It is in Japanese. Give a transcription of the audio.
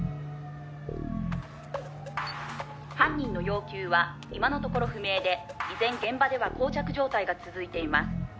「犯人の要求は今のところ不明で依然現場では膠着状態が続いています」